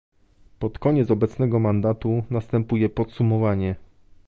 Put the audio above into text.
Pod koniec obecnego mandatu następuje podsumowanie